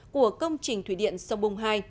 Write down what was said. của công trình thủy điện sông bông hai